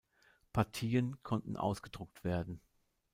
Partien konnten ausgedruckt werden.